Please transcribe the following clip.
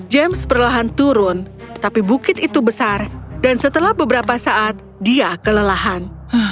james perlahan turun tapi bukit itu besar dan setelah beberapa saat dia kelelahan